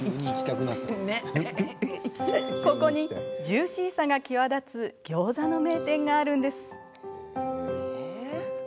ここに、ジューシーさが際立つギョーザの名店があるんです。